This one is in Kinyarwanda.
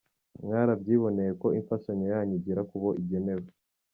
Mwarabyiboneye ko imfashanyo yanyu igera kubo igenewe.